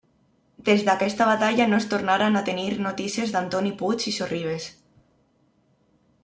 Des d'aquesta batalla no es tornaran a tenir notícies d'Antoni Puig i Sorribes.